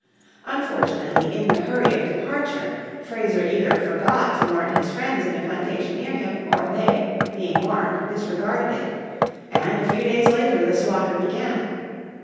Unfortunately in the hurry of departure Fraser either forgot to warn his friends in the plantation near him, or they, being warned, disregarded it; and a few days later the slaughter began.